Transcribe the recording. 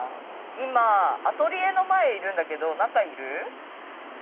今アトリエの前いるんだけど中いる？